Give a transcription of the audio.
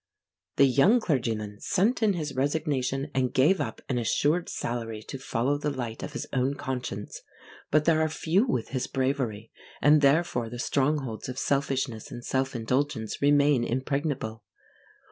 The young clergyman sent in his resignation and gave up an assured salary to follow the light of his own conscience. But there are few with his bravery and, therefore, the strongholds of selfishness and self indulgence remain impregnable.